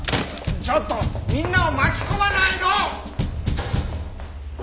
ちょっとみんなを巻き込まないの！